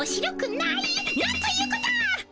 なんということを！